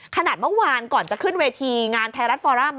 ขนาดเมื่อวานก่อนจะขึ้นเวทีงานไทยรัฐฟอร่า